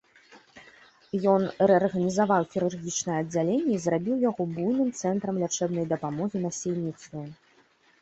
Ён рэарганізаваў хірургічнае аддзяленне і зрабіў яго буйным цэнтрам лячэбнай дапамогі насельніцтву.